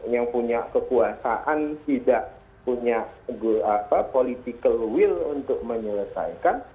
yang punya kekuasaan tidak punya political will untuk menyelesaikan